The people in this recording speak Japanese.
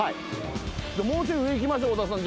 もうちょい上行きましょう太田さん